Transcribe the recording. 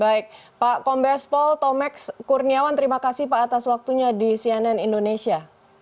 baik pak kombes pol tomeks kurniawan terima kasih pak atas waktunya di cnn indonesia